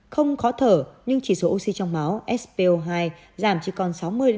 không khó thở nhưng chỉ số oxy trong máu spo hai giảm chỉ còn sáu mươi năm mươi